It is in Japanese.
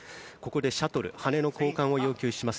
ここでシャトル羽根の交換を要求します。